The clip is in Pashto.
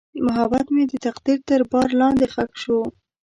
محبت مې د تقدیر تر بار لاندې ښخ شو.